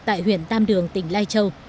tại huyện tam đường tỉnh lai châu